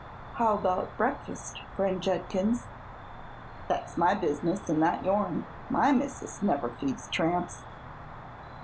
How about breakfast, friend Judkins?" "That's my business an' not yourn. My missus never feeds tramps."